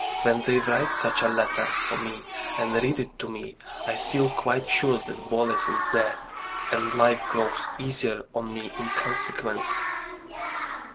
When they write such a letter for me, and read it to me, I feel quite sure that Boles is there. And life grows easier for me in consequence."